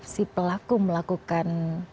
si pelaku melakukan